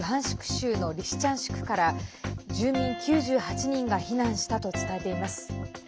州のリシチャンスクから住民９８人が避難したと伝えています。